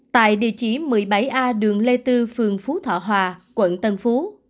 tại địa chỉ một mươi bảy a đường lê tư phường phú thọ hòa quận tân phú